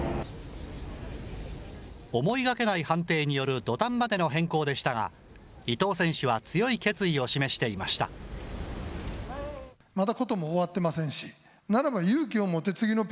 思いがけない判定による土壇場での変更でしたが、伊藤選手は強い決意を示していました。